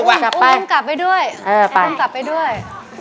อุ้มกลับไปด้วย